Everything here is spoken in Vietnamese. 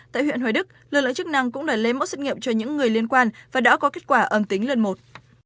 tại huyện hoài đức lực lượng chức năng cũng đã lấy mẫu xét nghiệm cho những người liên quan và đã có kết quả âm tính lần một